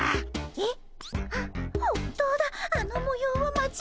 えっ？